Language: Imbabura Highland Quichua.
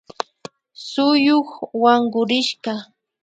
Suyuk wankurishka